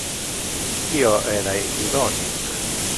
Io era ironic.